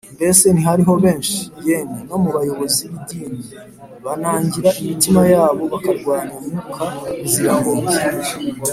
Mbese ntihariho benshi, yemwe no mu bayobozi b’idini, banangira imitima yabo bakarwanya Mwuka Muziranenge